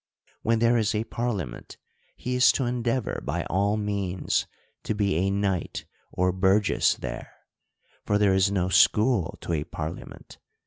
When there is a parlia ment, he is to endeavor by all means to be a knight or burgess there ; for there is no school to a parliament.